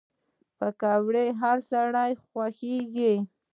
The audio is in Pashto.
پکورې هر سړی خوښوي